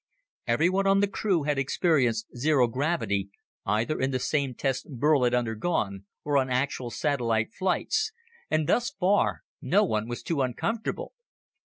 Everyone on the crew had experienced zero gravity, either in the same tests Burl had undergone or on actual satellite flights, and thus far, no one was too uncomfortable.